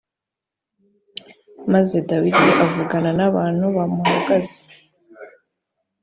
maze dawidi avugana n abantu bamuhagaze